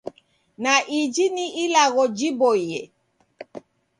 Na iji ni ilagho jiboie